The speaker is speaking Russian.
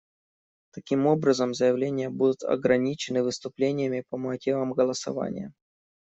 Таким образом, заявления будут ограничены выступлениями по мотивам голосования.